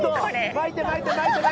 巻いて巻いて巻いて。